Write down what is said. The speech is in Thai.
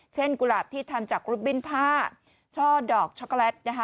กุหลาบที่ทำจากรูปบิ้นผ้าช่อดอกช็อกโกแลตนะคะ